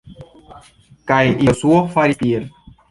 Kaj Josuo faris tiel.